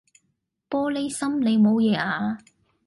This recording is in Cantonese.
玻璃心，你冇嘢啊？